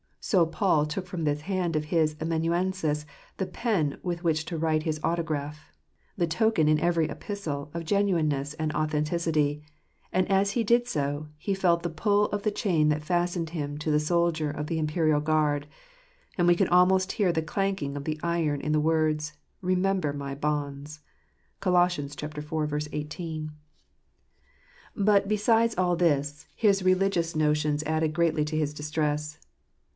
So Paul took from the hand of his amanuensis the pen with which to write his autograph, " the token in every epistle" of genuineness and authenticity ; and as he did so, he felt the pull of the chain that fastened him to the soldier of the imperial guard ; and we can almost hear the clanking of the iron in the words, " Remember my bonds " (Col. iv. 18). But besides all this, his religious notions added greatly to his distress.